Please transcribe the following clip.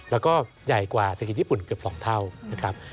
แล้วก็ใหญ่กว่าเศรษฐกิจญี่ปุ่นเกือบ๒เท่านะครับ